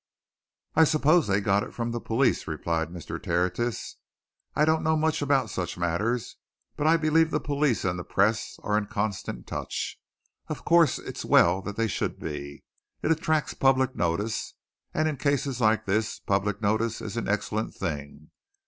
"I suppose they got it from the police," replied Mr. Tertius. "I don't know much about such matters, but I believe the police and the Press are in constant touch. Of course, it's well they should be it attracts public notice. And in cases like this, public notice is an excellent thing.